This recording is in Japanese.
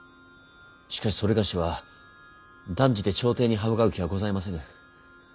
しかし某は断じて朝廷に刃向かう気はございませぬ。